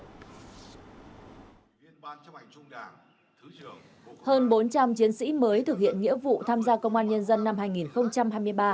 hơn bốn trăm linh chiến sĩ mới thực hiện nghĩa vụ tham gia công an nhân dân năm hai nghìn hai mươi ba